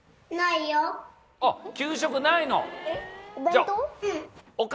あっ給食ないの？